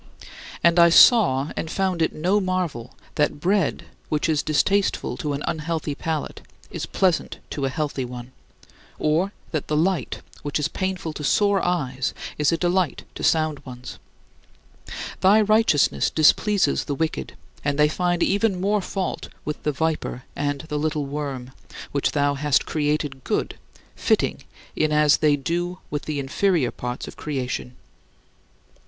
And I saw and found it no marvel that bread which is distasteful to an unhealthy palate is pleasant to a healthy one; or that the light, which is painful to sore eyes, is a delight to sound ones. Thy righteousness displeases the wicked, and they find even more fault with the viper and the little worm, which thou hast created good, fitting in as they do with the inferior parts of creation.